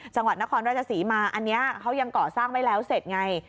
จังหวัดนครราชศรีมาอันนี้เขายังก่อสร้างไม่แล้วเสร็จไง